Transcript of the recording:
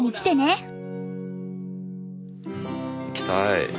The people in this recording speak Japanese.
行きたい。